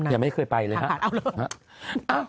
อย่าไม่เคยไปเลยฮะเอาละ